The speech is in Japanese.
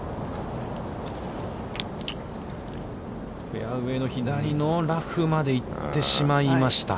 フェアウェイの左のラフまで行ってしまいました。